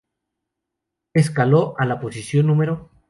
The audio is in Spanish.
Escaló a la posición No.